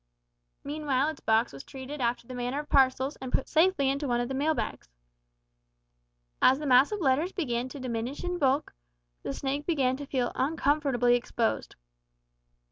Meanwhile its box was treated after the manner of parcels, and put safely into one of the mail bags. As the mass of letters began to diminish in bulk the snake began to feel uncomfortably exposed.